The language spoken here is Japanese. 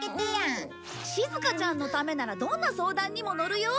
しずかちゃんのためならどんな相談にものるよ！